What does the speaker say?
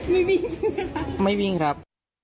ไม่วิ่งจริงหรือครับไม่วิ่งครับ